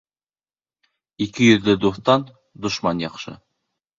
Ике йөҙлө дуҫтан дошман яҡшы.